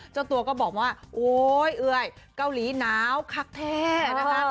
เจ้าตัวก็บอกว่าโอ๊ยเอื่อยเกาหลีหนาวคักแท้นะคะ